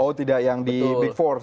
oh tidak yang di big force